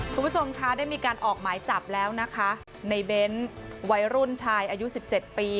คุณผู้ชมคะได้มีการออกหมายจับแล้วนะคะในเบ้นวัยรุ่นชายอายุสิบเจ็ดปี